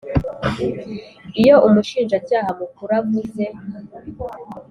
Iyo Umushinjacyaha Mukuru avuze